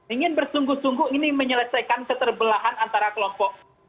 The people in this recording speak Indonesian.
ingin bersungguh sungguh ini menyelesaikan keterbelahan antara kelompok